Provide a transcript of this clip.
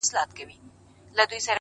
بيا به ساز بيا به نڅا بيا به نگار وو٫